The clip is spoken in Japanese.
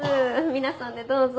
皆さんでどうぞ。